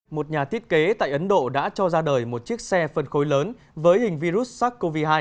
một nhà thiết kế tại ấn độ đã cho ra đời một chiếc xe phân khối lớn với hình virus sars cov hai